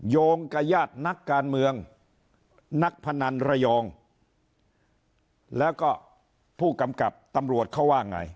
โยงกับญาตินักการเมืองนักพนันระยองแล้วก็ผู้กำกับตำรวจเขาว่าไง